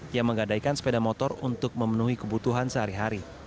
yang menggadaikan sepeda motor untuk memenuhi kebutuhan sehari hari